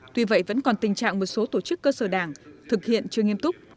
tuy vậy vẫn còn tình trạng một số tổ chức cơ sở đảng thực hiện chưa nghiêm túc